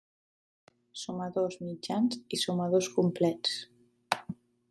Sumadors mitjans i sumadors complets.